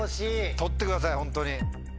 獲ってくださいホントに。